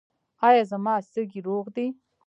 ایا زما سږي روغ دي؟